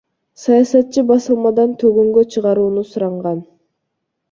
Саясатчы басылмадан төгүнгө чыгарууну суранган.